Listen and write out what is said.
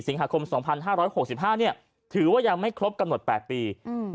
สิงหาคมสองพันห้าร้อยหกสิบห้าเนี่ยถือว่ายังไม่ครบกำหนดแปดปีอืม